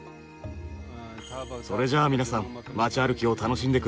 それじゃあ皆さん街歩きを楽しんで下さい。